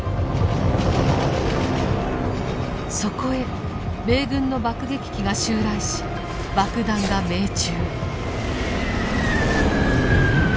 そこへ米軍の爆撃機が襲来し爆弾が命中。